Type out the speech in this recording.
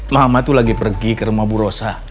mama tuh lagi pergi ke rumah bu rosa